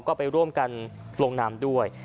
ก็ไปร่วมกันลงนามด้วย